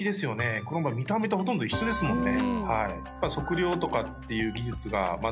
見た目とほとんど一緒ですもんね。